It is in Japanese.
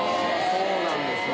そうなんですね。